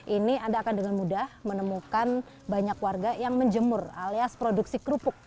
ini anda akan dengan mudah menemukan banyak warga yang menjemur alias produksi kerupuk